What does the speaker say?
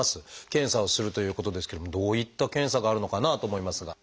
検査をするということですけれどもどういった検査があるのかなと思いますが。